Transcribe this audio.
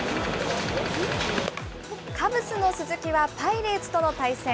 カブスの鈴木はパイレーツとの対戦。